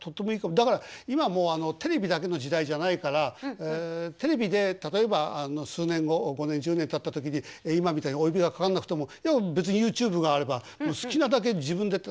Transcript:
だから今もうテレビだけの時代じゃないからテレビで例えば数年後５年１０年たった時に今みたいにお呼びがかかんなくても別にＹｏｕＴｕｂｅがあれば好きなだけ自分でやって。